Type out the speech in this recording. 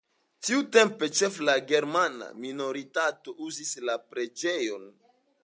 Tiutempe ĉefe la germana minoritato uzis la preĝejon.